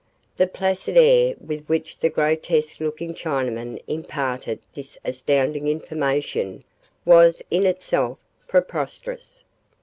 The placid air with which the grotesque looking Chinaman imparted this astounding information was in itself preposterous.